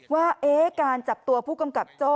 ว่าการจับตัวผู้กำกับโจ้